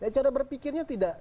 cara berpikirnya tidak